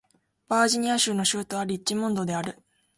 バージニア州の州都はリッチモンドである